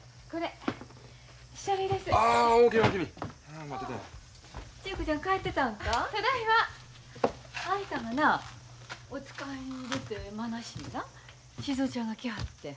あんたがなお使いに出て間なしにな静尾ちゃんが来はって。